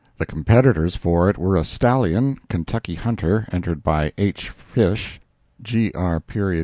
The competitors for it were a stallion "Kentucky Hunter," entered by H. Fish; gr.